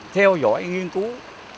theo dõi nghiên cứu